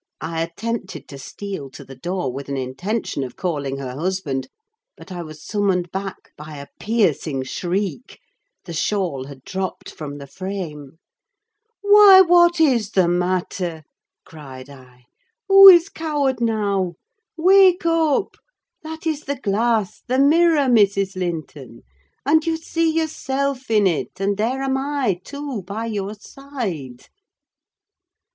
I attempted to steal to the door with an intention of calling her husband; but I was summoned back by a piercing shriek—the shawl had dropped from the frame. "Why, what is the matter?" cried I. "Who is coward now? Wake up! That is the glass—the mirror, Mrs. Linton; and you see yourself in it, and there am I too by your side."